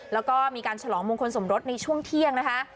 แล้วก็มีการฉลองมงคลสมรสในช่วงเที่ยงนะคะ